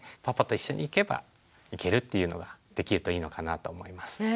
パパと一緒に行けば行けるっていうのができるといいのかなと思います。